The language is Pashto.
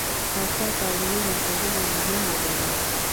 پاچا تعليمي مرکزونه مهم ووبلل.